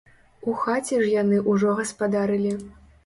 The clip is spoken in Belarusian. У хаце ж яны ўжо гаспадарылі.